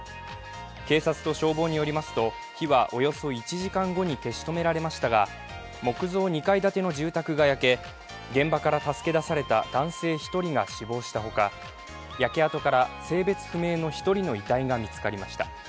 警察と消防によりますと、火はおよそ１時間後に消し止められましたが、木造２階建ての住宅が焼け現場から助け出された男性１人が死亡したほか焼け跡から性別不明の１人の遺体が見つかりました。